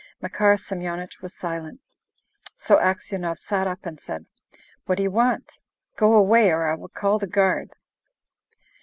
Makar Semyonich was silent. So Aksionov sat up and said, "What do you want? Go away, or I will call the guard!"